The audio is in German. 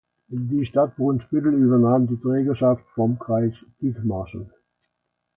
Die Stadt Brunsbüttel übernahm die Trägerschaft vom Kreis Dithmarschen.